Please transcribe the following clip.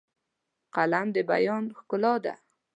قلم د بیان ښکلا ده